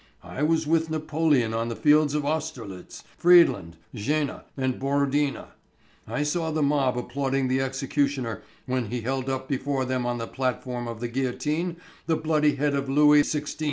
I was with Napoleon on the fields of Austerlitz, Friedland, Jena, and Borodina. I saw the mob applauding the executioner when he held up before them on the platform of the guillotine the bloody head of Louis XVI.